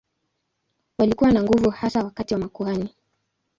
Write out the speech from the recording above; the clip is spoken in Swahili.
Walikuwa na nguvu hasa kati ya makuhani.